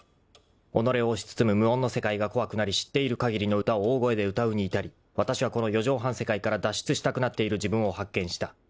［己を押し包む無音の世界が怖くなり知っているかぎりの歌を大声で歌うに至りわたしはこの四畳半世界から脱出したくなっている自分を発見した］